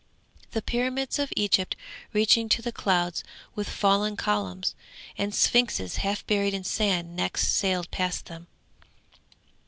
The pyramids of Egypt reaching to the clouds, with fallen columns, and Sphynxes half buried in sand, next sailed past them.